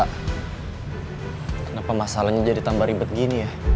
kenapa masalahnya jadi tambah ribet gini ya